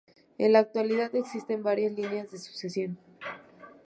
En la actualidad existen varias líneas de sucesión.